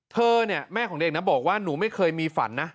เธอเนี่ยแม่ของเด็กนะบอกว่าหนูไม่เคยมีฝันนะ